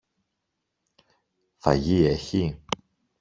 Φαγί έχει;